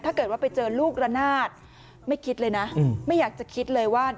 ถ้าเกิดว่าไปเจอลูกระนาดไม่คิดเลยนะไม่อยากจะคิดเลยว่า